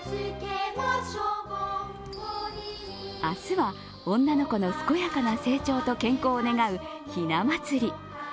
明日は、女の子の健やかな成長と健康を願うひな祭り。